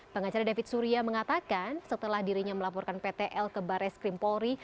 pengacara david surya mengatakan setelah dirinya melaporkan ptl ke barres krimpolri